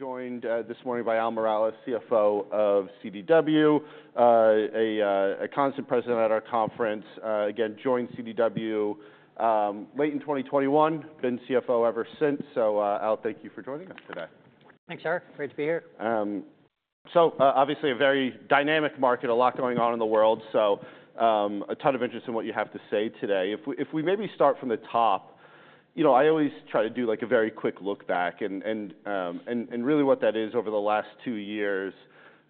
Joined this morning by Al Miralles, CFO of CDW, a constant presence at our conference, again joined CDW late in 2021, been CFO ever since, so Al, thank you for joining us today. Thanks, Eric. Great to be here. So obviously a very dynamic market, a lot going on in the world, so a ton of interest in what you have to say today. If we maybe start from the top, I always try to do a very quick look back. And really what that is over the last two years,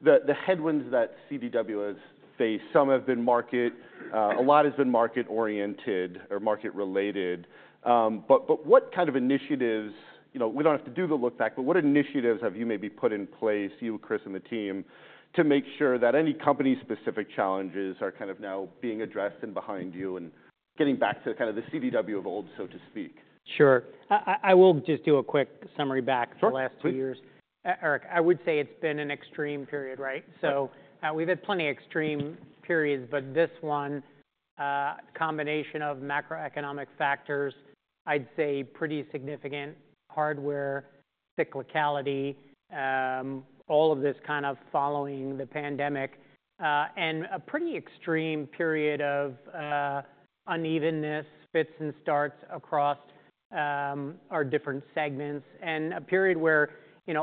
the headwinds that CDW has faced, some have been market, a lot has been market-oriented or market-related. But what kind of initiatives, we don't have to do the look back, but what initiatives have you maybe put in place, you, Chris, and the team, to make sure that any company-specific challenges are kind of now being addressed and behind you and getting back to kind of the CDW of old, so to speak? Sure. I will just do a quick summary back for the last two years. Sure. Eric, I would say it's been an extreme period, right? So we've had plenty of extreme periods, but this one, a combination of macroeconomic factors, I'd say pretty significant, hardware cyclicality, all of this kind of following the pandemic, and a pretty extreme period of unevenness, fits and starts across our different segments, and a period where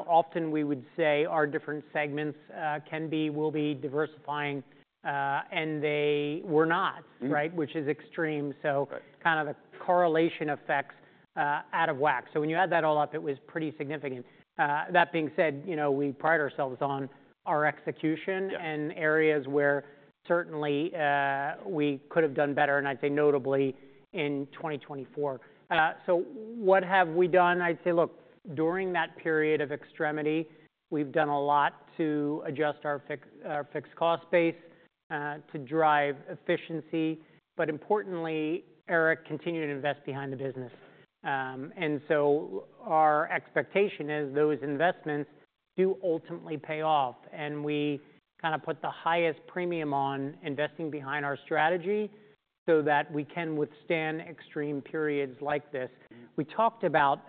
often we would say our different segments can be, will be diversifying, and they were not, right? Which is extreme. So kind of the correlation effects out of whack. So when you add that all up, it was pretty significant. That being said, we pride ourselves on our execution and areas where certainly we could have done better, and I'd say notably in 2024. So what have we done? I'd say, look, during that period of extremity, we've done a lot to adjust our fixed cost base to drive efficiency. But importantly, Eric continued to invest behind the business. And so our expectation is those investments do ultimately pay off, and we kind of put the highest premium on investing behind our strategy so that we can withstand extreme periods like this. We talked about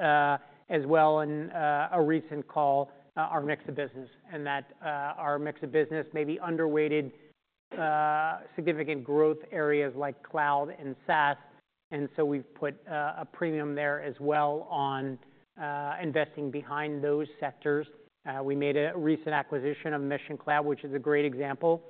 as well in a recent call our mix of business and that our mix of business maybe underweighted significant growth areas like cloud and SaaS. And so we've put a premium there as well on investing behind those sectors. We made a recent acquisition of Mission Cloud, which is a great example.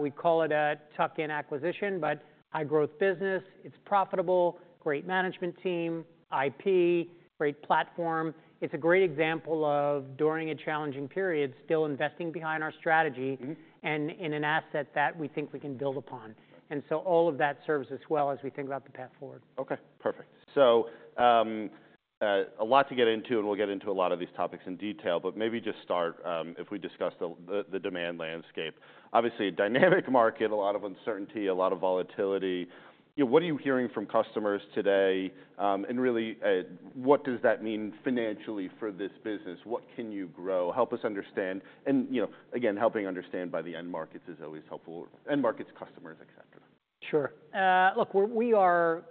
We call it a tuck-in acquisition, but high-growth business, it's profitable, great management team, IP, great platform. It's a great example of during a challenging period, still investing behind our strategy and in an asset that we think we can build upon. All of that serves us well as we think about the path forward. Okay. Perfect. So a lot to get into, and we'll get into a lot of these topics in detail, but maybe just start if we discuss the demand landscape. Obviously, a dynamic market, a lot of uncertainty, a lot of volatility. What are you hearing from customers today? And really, what does that mean financially for this business? What can you grow? Help us understand. And again, helping understand by the end markets is always helpful. End markets, customers, et cetera. Sure. Look, we are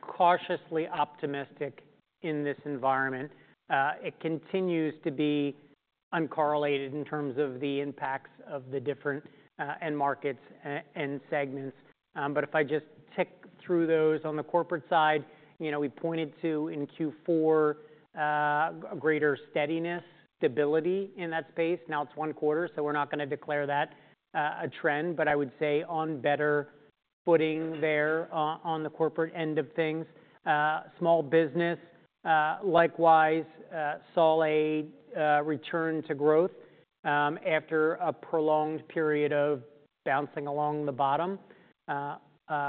cautiously optimistic in this environment. It continues to be uncorrelated in terms of the impacts of the different end markets and segments. But if I just tick through those on the Corporate side, we pointed to in Q4 greater steadiness, stability in that space. Now it's one quarter, so we're not going to declare that a trend, but I would say on better footing there on the Corporate end of things. Small Business, likewise, solid return to growth after a prolonged period of bouncing along the bottom.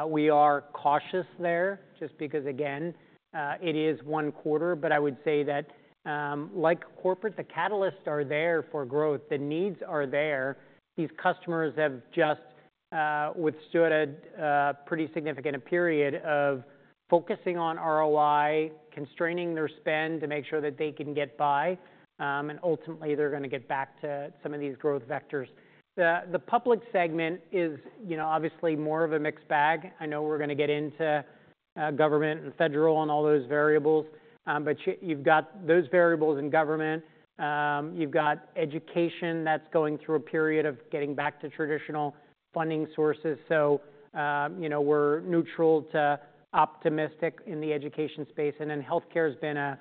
We are cautious there just because, again, it is one quarter, but I would say that like Corporate, the catalysts are there for growth, the needs are there. These customers have just withstood a pretty significant period of focusing on ROI, constraining their spend to make sure that they can get by, and ultimately they're going to get back to some of these growth vectors. The Public segment is obviously more of a mixed bag. I know we're going to get into Government and Federal and all those variables, but you've got those variables in Government. You've got Education that's going through a period of getting back to traditional funding sources. So we're neutral to optimistic in the Education space. And then Healthcare has been a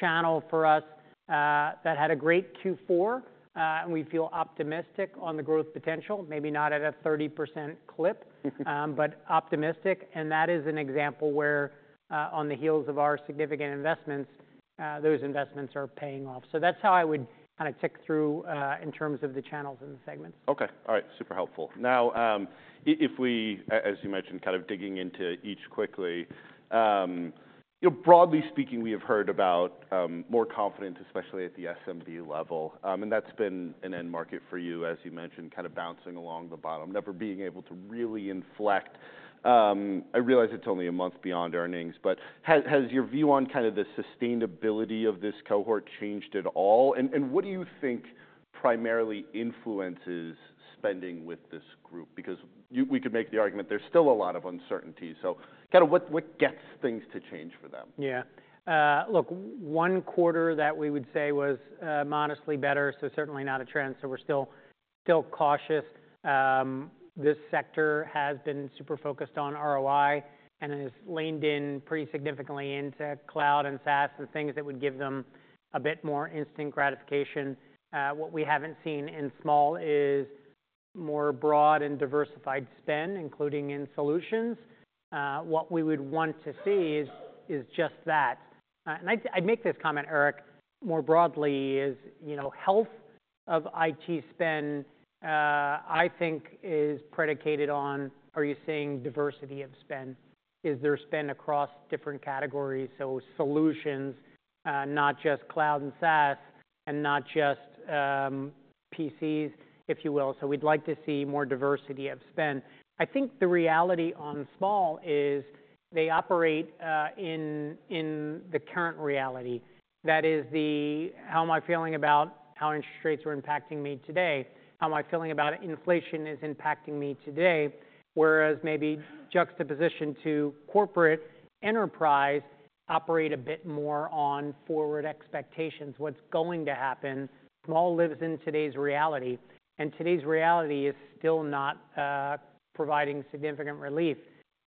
channel for us that had a great Q4, and we feel optimistic on the growth potential, maybe not at a 30% clip, but optimistic. And that is an example where on the heels of our significant investments, those investments are paying off. So that's how I would kind of tick through in terms of the channels and the segments. Okay. All right. Super helpful. Now, if we, as you mentioned, kind of digging into each quickly, broadly speaking, we have heard about more confidence, especially at the SMB level. And that's been an end market for you, as you mentioned, kind of bouncing along the bottom, never being able to really inflect. I realize it's only a month beyond earnings, but has your view on kind of the sustainability of this cohort changed at all? And what do you think primarily influences spending with this group? Because we could make the argument there's still a lot of uncertainty. So kind of what gets things to change for them? Yeah. Look, one quarter that we would say was modestly better, so certainly not a trend. So we're still cautious. This sector has been super focused on ROI and has leaned in pretty significantly into cloud and SaaS and things that would give them a bit more instant gratification. What we haven't seen in Small is more broad and diversified spend, including in solutions. What we would want to see is just that, and I'd make this comment, Eric. More broadly is health of IT spend, I think, is predicated on, are you seeing diversity of spend? Is there spend across different categories? So solutions, not just cloud and SaaS and not just PCs, if you will. So we'd like to see more diversity of spend. I think the reality on Small is they operate in the current reality. How am I feeling about how interest rates are impacting me today? How am I feeling about how inflation is impacting me today? Whereas maybe in juxtaposition to Corporate Enterprises operate a bit more on forward expectations, what's going to happen. SMBs live in today's reality, and today's reality is still not providing significant relief,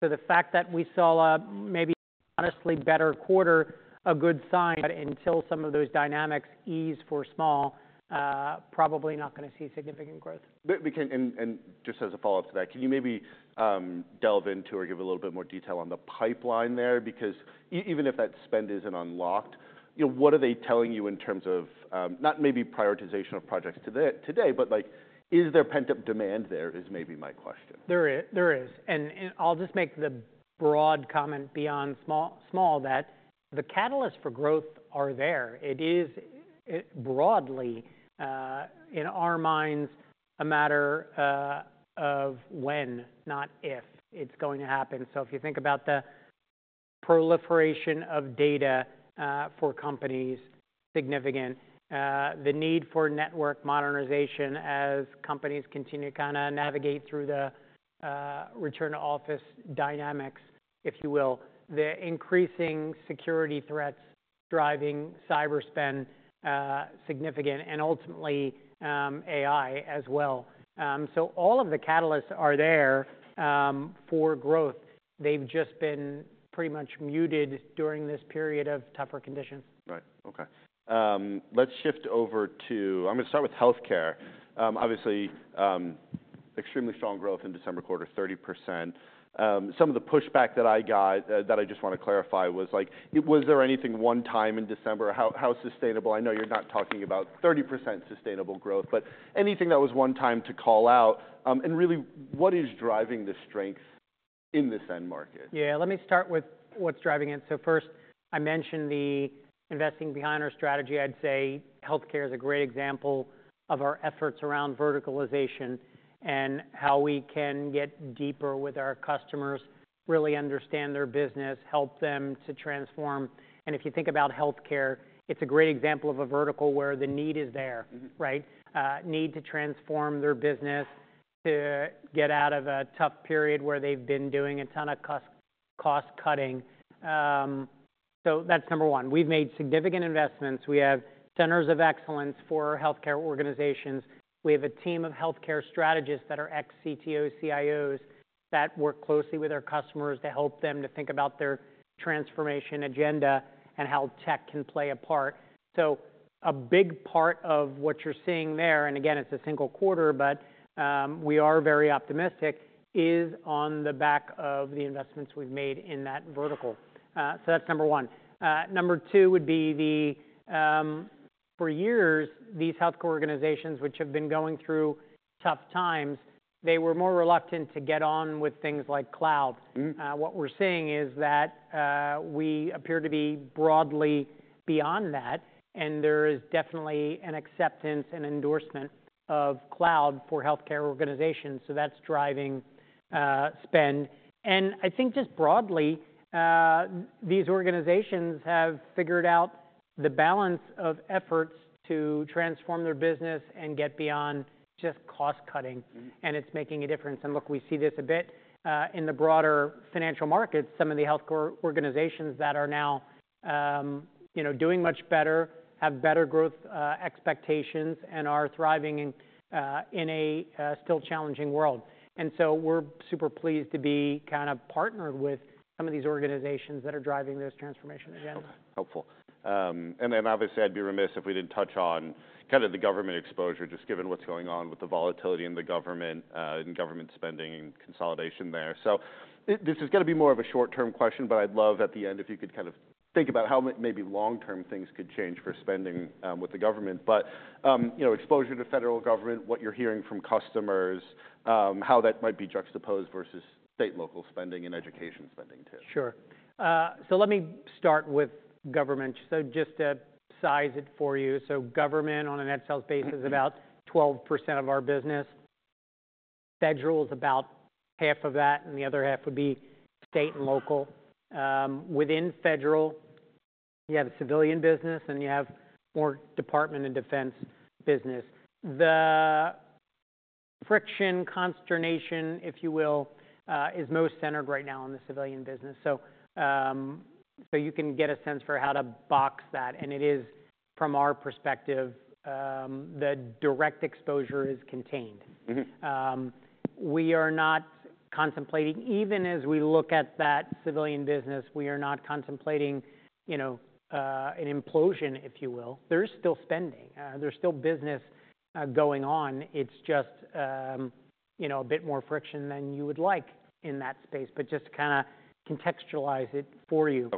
so the fact that we saw a maybe honestly better quarter is a good sign, but until some of those dynamics ease for SMBs, probably not going to see significant growth. And just as a follow-up to that, can you maybe delve into or give a little bit more detail on the pipeline there? Because even if that spend isn't unlocked, what are they telling you in terms of not maybe prioritization of projects today, but is there pent-up demand there is maybe my question? There is, and I'll just make the broad comment beyond Small that the catalysts for growth are there. It is broadly in our minds a matter of when, not if it's going to happen, so if you think about the proliferation of data for companies significant, the need for network modernization as companies continue to kind of navigate through the return to office dynamics, if you will, the increasing security threats driving cyber spend significant, and ultimately AI as well, so all of the catalysts are there for growth. They've just been pretty much muted during this period of tougher conditions. Right. Okay. Let's shift over to, I'm going to start with Healthcare. Obviously, extremely strong growth in December quarter, 30%. Some of the pushback that I got that I just want to clarify was like, was there anything one time in December? How sustainable? I know you're not talking about 30% sustainable growth, but anything that was one time to call out? And really, what is driving the strength in this end market? Yeah. Let me start with what's driving it. So first, I mentioned the investing behind our strategy. I'd say Healthcare is a great example of our efforts around verticalization and how we can get deeper with our customers, really understand their business, help them to transform. And if you think about Healthcare, it's a great example of a vertical where the need is there, right? Need to transform their business to get out of a tough period where they've been doing a ton of cost cutting. So that's number one. We've made significant investments. We have centers of excellence for Healthcare organizations. We have a team of Healthcare strategists that are ex-CTOs, CIOs that work closely with our customers to help them to think about their transformation agenda and how tech can play a part. So, a big part of what you're seeing there, and again, it's a single quarter, but we are very optimistic. Is on the back of the investments we've made in that vertical. So that's number one. Number two would be, for years, these Healthcare organizations, which have been going through tough times, they were more reluctant to get on with things like cloud. What we're seeing is that we appear to be broadly beyond that, and there is definitely an acceptance and endorsement of cloud for Healthcare organizations. So that's driving spend. And I think just broadly, these organizations have figured out the balance of efforts to transform their business and get beyond just cost cutting, and it's making a difference. And look, we see this a bit in the broader financial markets. Some of the Healthcare organizations that are now doing much better have better growth expectations and are thriving in a still challenging world, and so we're super pleased to be kind of partnered with some of these organizations that are driving those transformation agendas. Okay. Helpful. And then obviously, I'd be remiss if we didn't touch on kind of the Government exposure, just given what's going on with the volatility in the Government and Government spending and consolidation there. So this is going to be more of a short-term question, but I'd love at the end if you could kind of think about how maybe long-term things could change for spending with the Government, but exposure to Federal Government, what you're hearing from customers, how that might be juxtaposed versus State and Local spending and Education spending too. Sure. So let me start with Government. So just to size it for you. So Government on an as-reported basis is about 12% of our business. Federal is about half of that, and the other half would be State and Local. Within Federal, you have civilian business and you have more Department of Defense business. The friction, consternation, if you will, is most centered right now in the civilian business. So you can get a sense for how to box that. And it is, from our perspective, the direct exposure is contained. We are not contemplating, even as we look at that civilian business, we are not contemplating an implosion, if you will. There's still spending. There's still business going on. It's just a bit more friction than you would like in that space, but just to kind of contextualize it for you.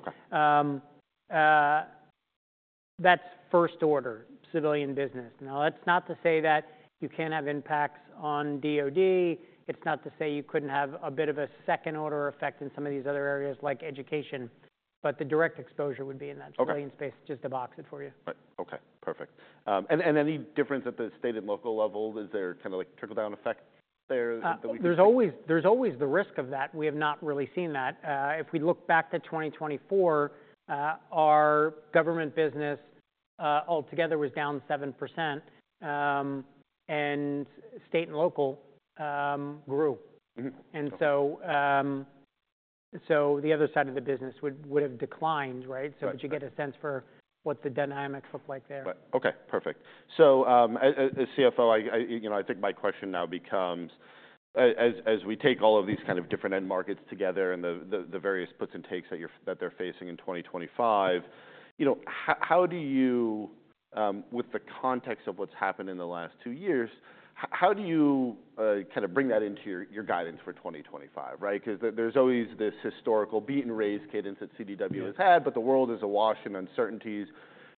That's first order, civilian business. Now, that's not to say that you can't have impacts on DoD. It's not to say you couldn't have a bit of a second order effect in some of these other areas like Education, but the direct exposure would be in that civilian space, just to box it for you. Okay. Perfect. And any difference at the State and Local level? Is there kind of like trickle-down effect there that we could see? There's always the risk of that. We have not really seen that. If we look back to 2024, our Government business altogether was down 7% and State and Local grew. And so the other side of the business would have declined, right? So would you get a sense for what the dynamics look like there? Okay. Perfect. So as CFO, I think my question now becomes, as we take all of these kind of different end markets together and the various puts and takes that they're facing in 2025, how do you, with the context of what's happened in the last two years, how do you kind of bring that into your guidance for 2025, right? Because there's always this historical beat-and-raise cadence that CDW has had, but the world is awash in uncertainties.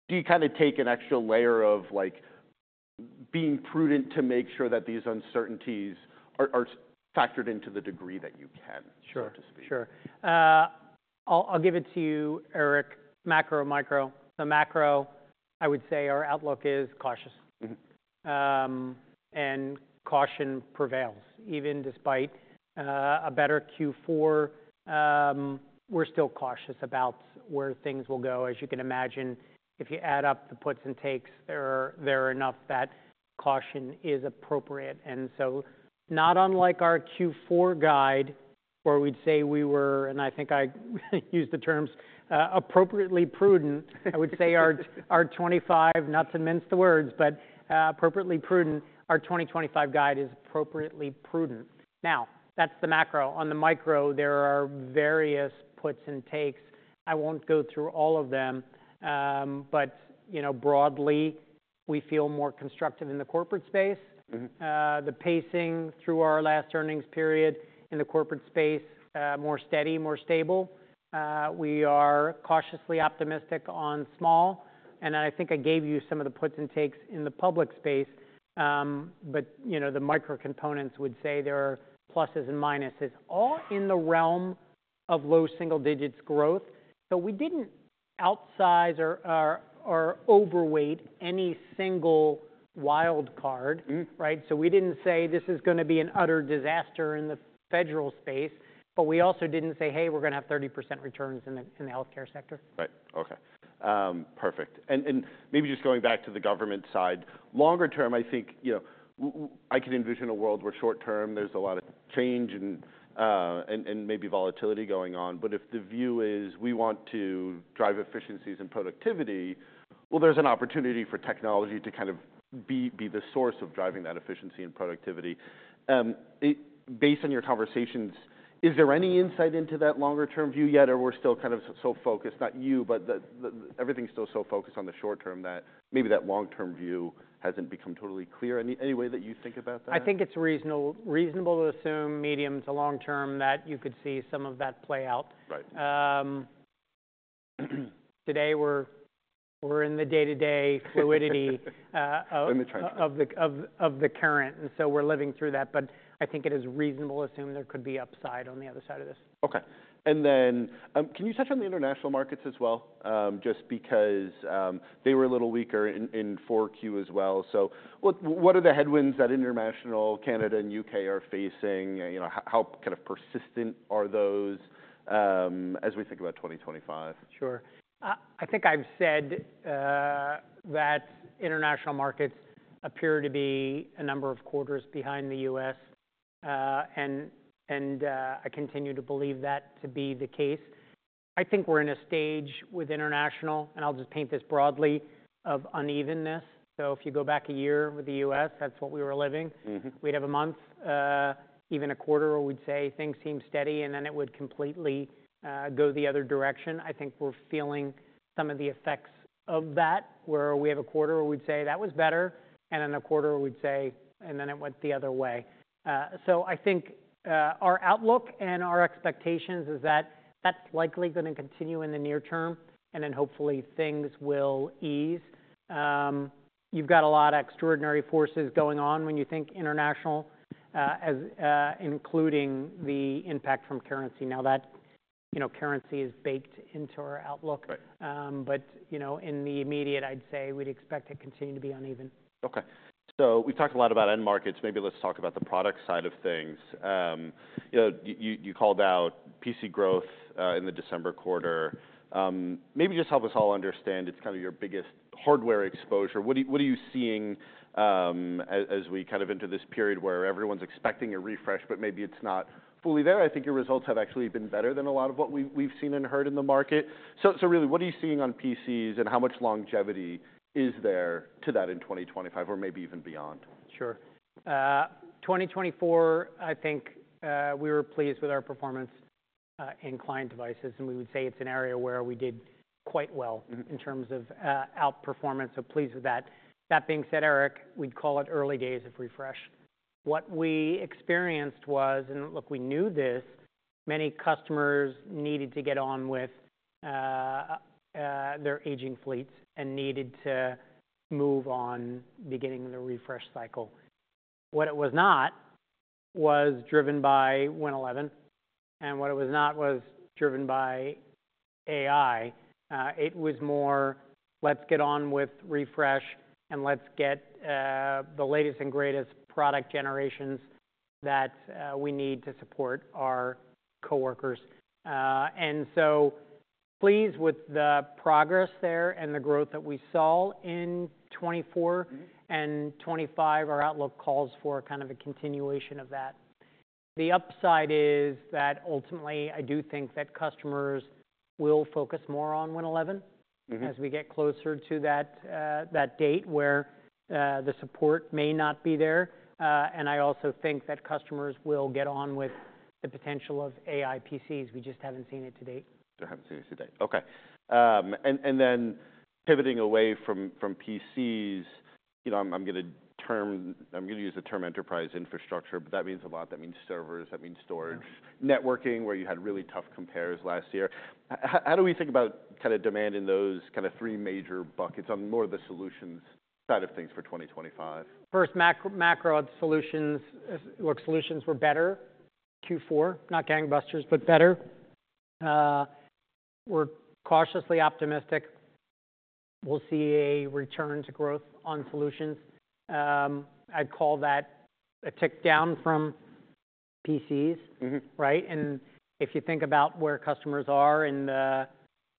Do you kind of take an extra layer of being prudent to make sure that these uncertainties are factored into the degree that you can? Sure. I'll give it to you, Eric. Macro, micro. The macro, I would say our outlook is cautious. And caution prevails. Even despite a better Q4, we're still cautious about where things will go. As you can imagine, if you add up the puts and takes, there are enough that caution is appropriate. And so not unlike our Q4 guide, where we'd say we were, and I think I used the terms appropriately prudent, I would say our 2025, not to mince the words, but appropriately prudent, our 2025 guide is appropriately prudent. Now, that's the macro. On the micro, there are various puts and takes. I won't go through all of them, but broadly, we feel more constructive in the Corporate space. The pacing through our last earnings period in the Corporate space, more steady, more stable. We are cautiously optimistic on Small. I think I gave you some of the puts and takes in the Public space, but the micro components would say there are pluses and minuses. All in the realm of low single digits growth. We didn't outsize or overweight any single wild card, right? We didn't say this is going to be an utter disaster in the Federal space, but we also didn't say, "Hey, we're going to have 30% returns in the Healthcare sector. Right. Okay. Perfect. And maybe just going back to the Government side, longer term, I think I can envision a world where short-term there's a lot of change and maybe volatility going on. But if the view is we want to drive efficiencies and productivity, well, there's an opportunity for technology to kind of be the source of driving that efficiency and productivity. Based on your conversations, is there any insight into that longer-term view yet? Or we're still kind of so focused, not you, but everything's still so focused on the short-term that maybe that long-term view hasn't become totally clear. Any way that you think about that? I think it's reasonable to assume medium to long-term that you could see some of that play out. Today, we're in the day-to-day fluidity of the current, and so we're living through that, but I think it is reasonable to assume there could be upside on the other side of this. Okay. And then can you touch on the international markets as well? Just because they were a little weaker in Q4 as well. So what are the headwinds that international, Canada, and U.K. are facing? How kind of persistent are those as we think about 2025? Sure. I think I've said that international markets appear to be a number of quarters behind the U.S., and I continue to believe that to be the case. I think we're in a stage with international, and I'll just paint this broadly, of unevenness, so if you go back a year with the U.S., that's what we were living. We'd have a month, even a quarter, where we'd say things seem steady, and then it would completely go the other direction. I think we're feeling some of the effects of that, where we have a quarter where we'd say that was better, and then a quarter where we'd say, and then it went the other way, so I think our outlook and our expectations is that that's likely going to continue in the near term, and then hopefully things will ease. You've got a lot of extraordinary forces going on when you think international, including the impact from currency. Now, that currency is baked into our outlook. But in the immediate, I'd say we'd expect to continue to be uneven. Okay. So we've talked a lot about end markets. Maybe let's talk about the product side of things. You called out PC growth in the December quarter. Maybe just help us all understand it's kind of your biggest hardware exposure. What are you seeing as we kind of enter this period where everyone's expecting a refresh, but maybe it's not fully there? I think your results have actually been better than a lot of what we've seen and heard in the market. So really, what are you seeing on PCs, and how much longevity is there to that in 2025, or maybe even beyond? Sure. 2024, I think we were pleased with our performance in Client Devices, and we would say it's an area where we did quite well in terms of outperformance. So pleased with that. That being said, Eric, we'd call it early days of refresh. What we experienced was, and look, we knew this, many customers needed to get on with their aging fleets and needed to move on beginning the refresh cycle. What it was not was driven by Win11, and what it was not was driven by AI. It was more, let's get on with refresh and let's get the latest and greatest product generations that we need to support our coworkers. And so pleased with the progress there and the growth that we saw in 2024 and 2025, our outlook calls for kind of a continuation of that. The upside is that ultimately, I do think that customers will focus more on Win11 as we get closer to that date where the support may not be there. And I also think that customers will get on with the potential of AI PCs. We just haven't seen it to date. Haven't seen it to date. Okay. And then pivoting away from PCs, I'm going to use the term enterprise infrastructure, but that means a lot. That means servers, that means storage, networking, where you had really tough compares last year. How do we think about kind of demand in those kind of three major buckets on more of the solutions side of things for 2025? First, macro solutions. Look, solutions were better Q4, not gangbusters, but better. We're cautiously optimistic. We'll see a return to growth on solutions. I'd call that a tick down from PCs, right, and if you think about where customers are in the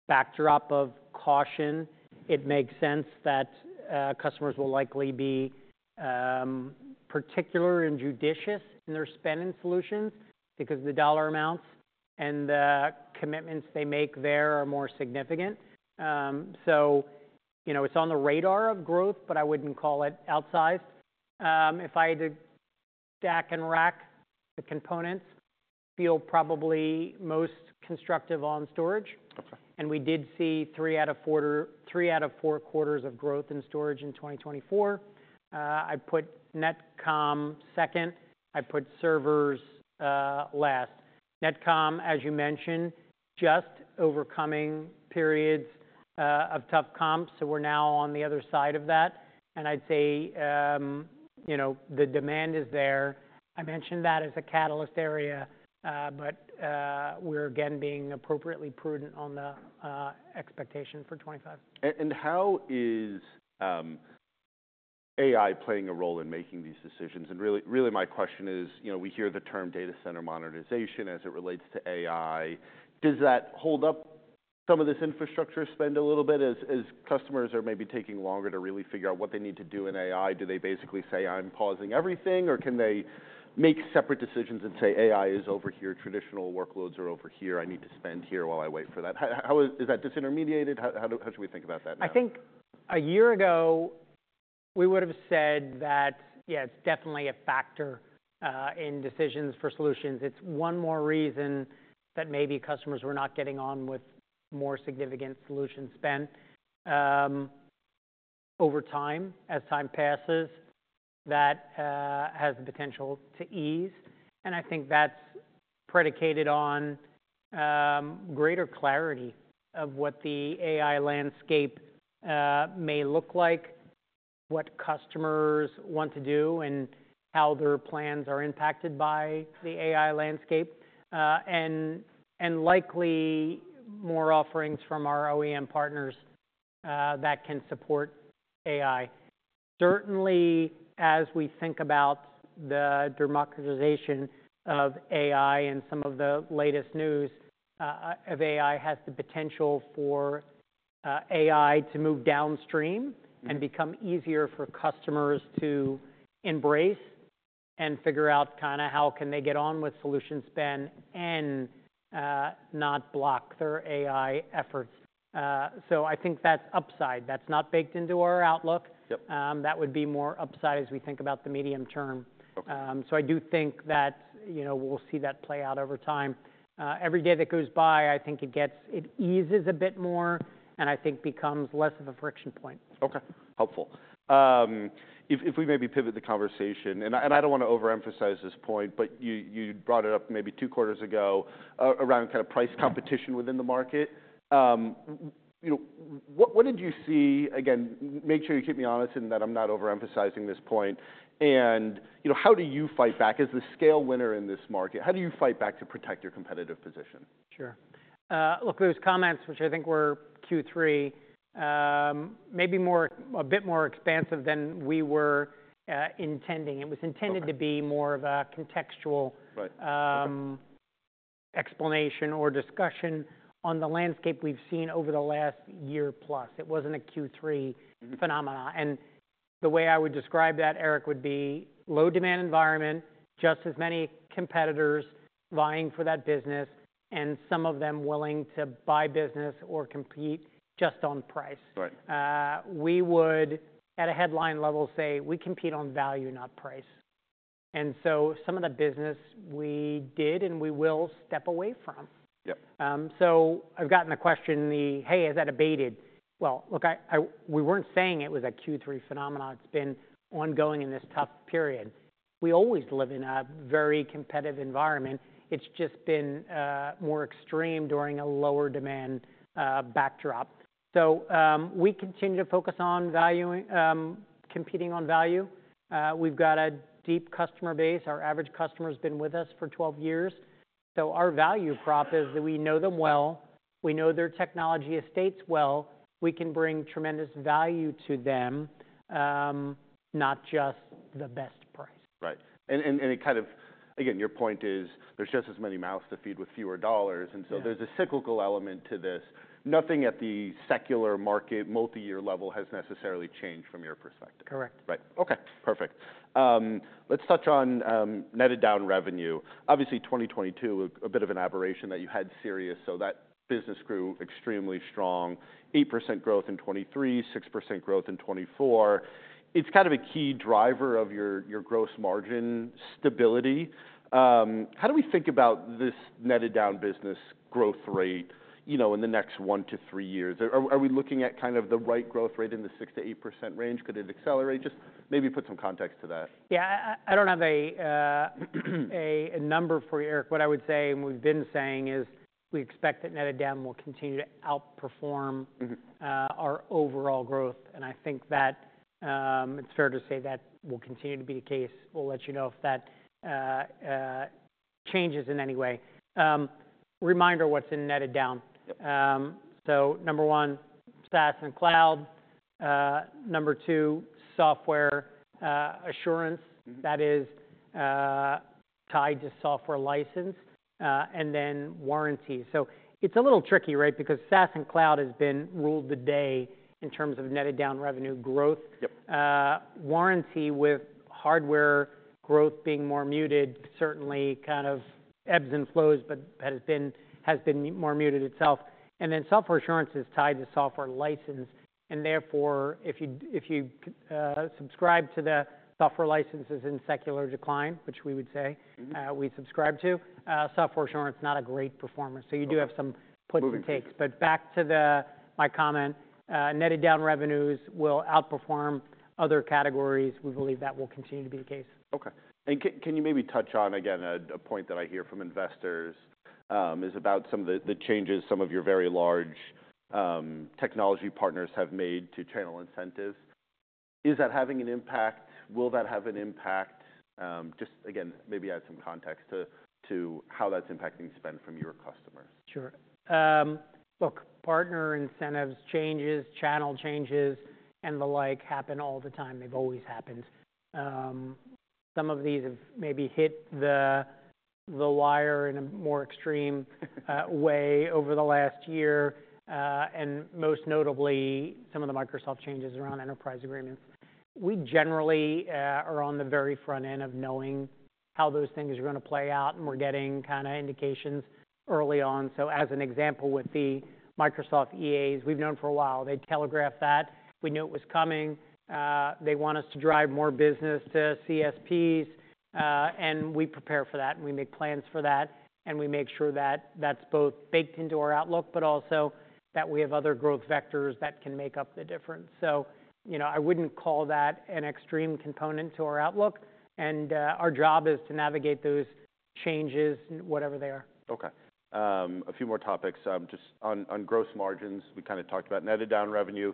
backdrop of caution, it makes sense that customers will likely be particular and judicious in their spending solutions because the dollar amounts and the commitments they make there are more significant, so it's on the radar of growth, but I wouldn't call it outsized. If I had to stack and rack the components, I feel probably most constructive on storage, and we did see three out of four quarters of growth in storage in 2024. I put NetComm second. I put servers last. NetComm, as you mentioned, just overcoming periods of tough comps, so we're now on the other side of that. I'd say the demand is there. I mentioned that as a catalyst area, but we're again being appropriately prudent on the expectation for 2025. How is AI playing a role in making these decisions? And really, my question is, we hear the term data center modernization as it relates to AI. Does that hold up some of this infrastructure spend a little bit as customers are maybe taking longer to really figure out what they need to do in AI? Do they basically say, "I'm pausing everything," or can they make separate decisions and say, "AI is over here, traditional workloads are over here. I need to spend here while I wait for that"? Is that disintermediated? How should we think about that now? I think a year ago, we would have said that, yeah, it's definitely a factor in decisions for solutions. It's one more reason that maybe customers were not getting on with more significant solution spend over time as time passes, that has the potential to ease, and I think that's predicated on greater clarity of what the AI landscape may look like, what customers want to do, and how their plans are impacted by the AI landscape, and likely more offerings from our OEM partners that can support AI. Certainly, as we think about the democratization of AI and some of the latest news, AI has the potential for AI to move downstream and become easier for customers to embrace and figure out kind of how can they get on with solution spend and not block their AI efforts, so I think that's upside. That's not baked into our outlook. That would be more upside as we think about the medium term. So I do think that we'll see that play out over time. Every day that goes by, I think it eases a bit more, and I think becomes less of a friction point. Okay. Helpful. If we maybe pivot the conversation, and I don't want to overemphasize this point, but you brought it up maybe two quarters ago around kind of price competition within the market. What did you see? Again, make sure you keep me honest in that I'm not overemphasizing this point. And how do you fight back as the scale winner in this market? How do you fight back to protect your competitive position? Sure. Look, those comments, which I think were Q3, maybe a bit more expansive than we were intending. It was intended to be more of a contextual explanation or discussion on the landscape we've seen over the last year plus. It wasn't a Q3 phenomenon. And the way I would describe that, Eric, would be low demand environment, just as many competitors vying for that business, and some of them willing to buy business or compete just on price. We would, at a headline level, say we compete on value, not price. And so some of the business we did and we will step away from. So I've gotten the question, "Hey, has that abated?" Well, look, we weren't saying it was a Q3 phenomenon. It's been ongoing in this tough period. We always live in a very competitive environment. It's just been more extreme during a lower demand backdrop. So we continue to focus on value, competing on value. We've got a deep customer base. Our average customer has been with us for 12 years. So our value prop is that we know them well. We know their technology estates well. We can bring tremendous value to them, not just the best price. Right. And kind of, again, your point is there's just as many mouths to feed with fewer dollars. And so there's a cyclical element to this. Nothing at the secular market multi-year level has necessarily changed from your perspective. Correct. Right. Okay. Perfect. Let's touch on netted down revenue. Obviously, 2022, a bit of an aberration that you had Sirius. So that business grew extremely strong, 8% growth in 2023, 6% growth in 2024. It's kind of a key driver of your gross margin stability. How do we think about this netted down business growth rate in the next one to three years? Are we looking at kind of the right growth rate in the 6%-8% range? Could it accelerate? Just maybe put some context to that. Yeah. I don't have a number for you, Eric. What I would say and we've been saying is we expect that netted down will continue to outperform our overall growth. And I think that it's fair to say that will continue to be the case. We'll let you know if that changes in any way. Reminder, what's in netted down. So number one, SaaS and cloud. Number two, Software Assurance that is tied to software license. And then warranty. So it's a little tricky, right? Because SaaS and cloud has been ruled the day in terms of netted down revenue growth. Warranty with hardware growth being more muted, certainly kind of ebbs and flows, but has been more muted itself. And then Software Assurance is tied to software license. Therefore, if you subscribe to the software licenses in secular decline, which we would say we subscribe to, Software Assurance is not a great performer. You do have some puts and takes. Back to my comment, netted down revenues will outperform other categories. We believe that will continue to be the case. Okay. And can you maybe touch on, again, a point that I hear from investors is about some of the changes some of your very large technology partners have made to channel incentives? Is that having an impact? Will that have an impact? Just again, maybe add some context to how that's impacting spend from your customers. Sure. Look, partner incentives changes, channel changes, and the like happen all the time. They've always happened. Some of these have maybe hit the wire in a more extreme way over the last year, and most notably, some of the Microsoft changes around Enterprise Agreements. We generally are on the very front end of knowing how those things are going to play out, and we're getting kind of indications early on, so as an example with the Microsoft EAs, we've known for a while. They telegraphed that. We knew it was coming. They want us to drive more business to CSPs, and we prepare for that, and we make plans for that, and we make sure that that's both baked into our outlook, but also that we have other growth vectors that can make up the difference, so I wouldn't call that an extreme component to our outlook. Our job is to navigate those changes, whatever they are. Okay. A few more topics. Just on gross margins, we kind of talked about netted down revenue.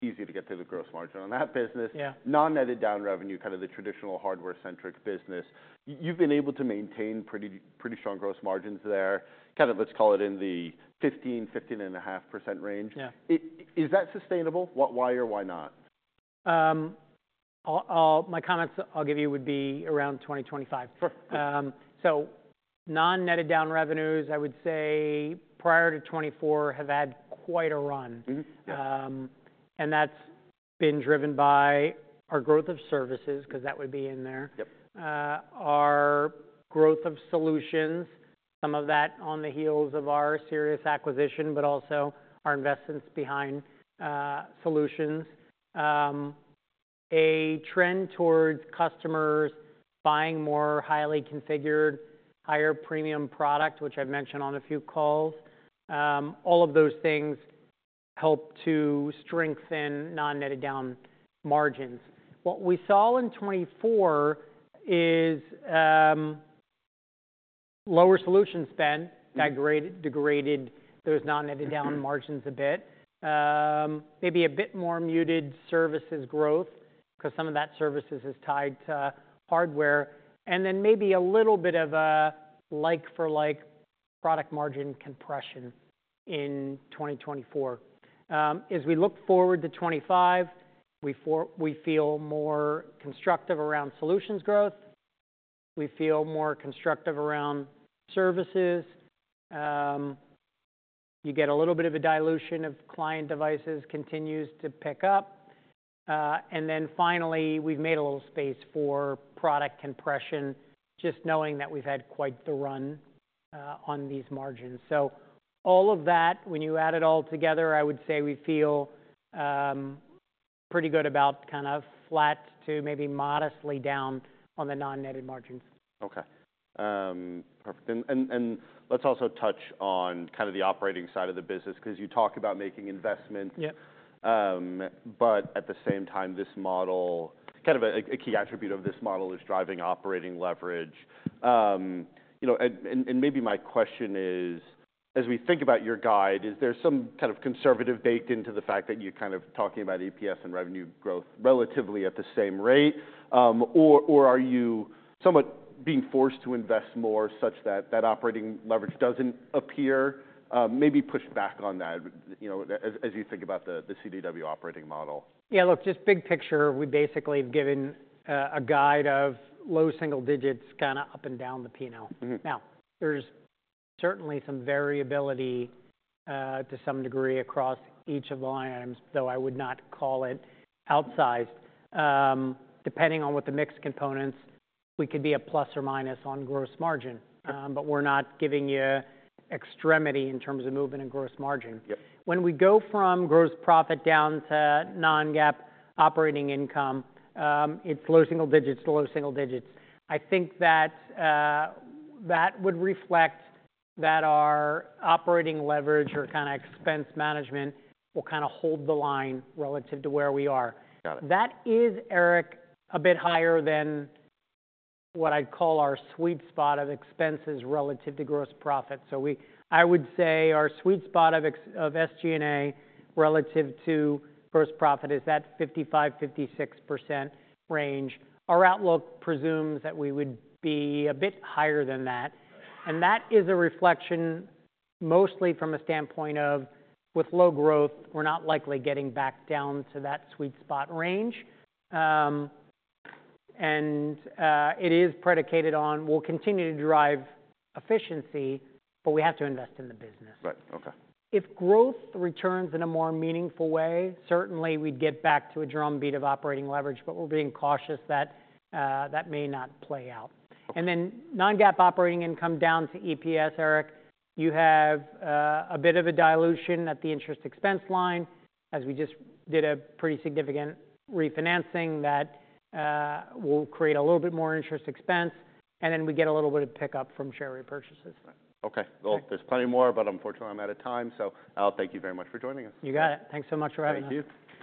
Easy to get to the gross margin on that business. Non-netted down revenue, kind of the traditional hardware-centric business. You've been able to maintain pretty strong gross margins there. Kind of let's call it in the 15%-15.5% range. Is that sustainable? Why or why not? My comments I'll give you would be around 2025. Sure. Non-netted down revenues, I would say prior to 2024 have had quite a run. And that's been driven by our growth of services because that would be in there. Our growth of solutions, some of that on the heels of our Sirius acquisition, but also our investments behind solutions. A trend towards customers buying more highly configured, higher premium product, which I've mentioned on a few calls. All of those things help to strengthen non-netted down margins. What we saw in 2024 is lower solution spend that degraded those non-netted down margins a bit. Maybe a bit more muted services growth because some of that services is tied to hardware. And then maybe a little bit of a like-for-like product margin compression in 2024. As we look forward to 2025, we feel more constructive around solutions growth. We feel more constructive around services. You get a little bit of a dilution as Client Devices continue to pick up. And then finally, we've made a little space for product compression, just knowing that we've had quite the run on these margins. So all of that, when you add it all together, I would say we feel pretty good about kind of flat to maybe modestly down on the non-netted margins. Okay. Perfect. And let's also touch on kind of the operating side of the business because you talk about making investments. But at the same time, this model, kind of a key attribute of this model, is driving operating leverage. And maybe my question is, as we think about your guide, is there some kind of conservative baked into the fact that you're kind of talking about EPS and revenue growth relatively at the same rate? Or are you somewhat being forced to invest more such that that operating leverage doesn't appear? Maybe push back on that as you think about the CDW operating model. Yeah. Look, just big picture, we basically have given a guide of low single digits kind of up and down the P&L. Now, there's certainly some variability to some degree across each of the line items, though I would not call it outsized. Depending on what the mix of components, we could be a plus or minus on gross margin. But we're not giving you extremes in terms of movement in gross margin. When we go from gross profit down to non-GAAP operating income, it's low single digits to low single digits. I think that that would reflect that our operating leverage or kind of expense management will kind of hold the line relative to where we are. That is, Eric, a bit higher than what I'd call our sweet spot of expenses relative to gross profit. So I would say our sweet spot of SG&A relative to gross profit is that 55%-56% range. Our outlook presumes that we would be a bit higher than that. And that is a reflection mostly from a standpoint of with low growth, we're not likely getting back down to that sweet spot range. And it is predicated on we'll continue to drive efficiency, but we have to invest in the business. Right. Okay. If growth returns in a more meaningful way, certainly we'd get back to a drumbeat of operating leverage, but we're being cautious that that may not play out. And then non-GAAP operating income down to EPS, Eric, you have a bit of a dilution at the interest expense line. As we just did a pretty significant refinancing that will create a little bit more interest expense. And then we get a little bit of pickup from share repurchases. Okay. There's plenty more, but unfortunately, I'm out of time, so Al, thank you very much for joining us. You got it. Thanks so much for having us. Thank you.